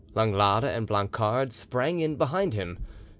Langlade and Blancard sprang in behind him.